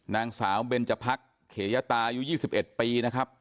นางสาวเบนจพักเขยตายุ๒๑ปีนะครับ